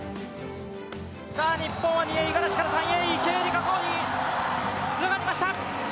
日本は２泳、五十嵐から３泳に、池江璃花子につながりました！